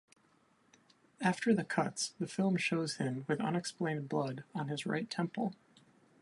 After the cuts, the film shows him with unexplained blood on his right temple.